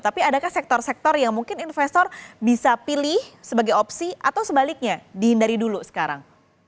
tapi adakah sektor sektor yang mungkin investor bisa pilih sebagai opsi atau sebaliknya dihindari dulu sekarang